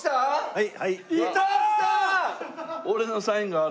はい。